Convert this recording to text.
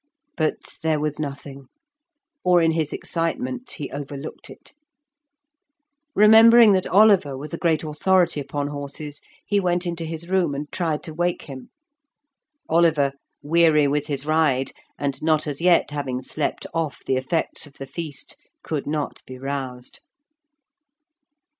But there was nothing, or in his excitement he overlooked it. Remembering that Oliver was a great authority upon horses, he went into his room and tried to wake him. Oliver, weary with his ride, and not as yet having slept off the effects of the feast, could not be roused.